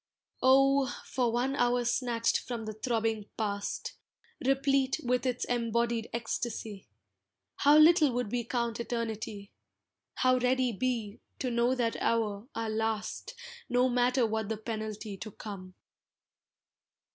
Oh! for one hour snatched from the throbbing past, Replete with its embodied ecstasy! How little would we count Eternity, How ready be, to know that hour, our last, No matter what the penalty to come.